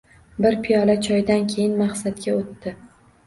Bir piyola choydan keyin maqsadga o‘tdi.